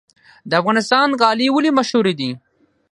د افغانستان غالۍ ولې مشهورې دي؟